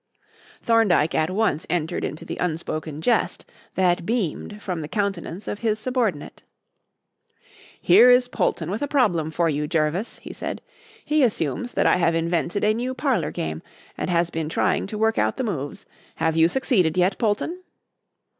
Thorndyke at once entered into the unspoken jest that beamed from the countenance of his subordinate. "Here is Polton with a problem for you, Jervis," he said. "He assumes that I have invented a new parlour game, and has been trying to work out the moves. Have you succeeded yet, Polton?"